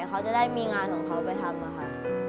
เขาจะได้มีงานของเขาไปทำค่ะ